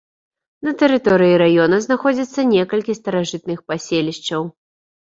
На тэрыторыі раёна знаходзіцца некалькі старажытных паселішчаў.